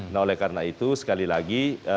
nah oleh karena itu sekali lagi